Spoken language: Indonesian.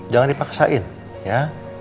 jangan dipaksain ya